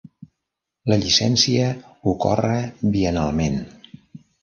La llicència ocorre biennalment.